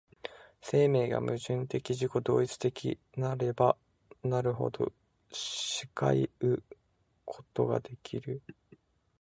生命が矛盾的自己同一的なればなるほどしかいうことができる。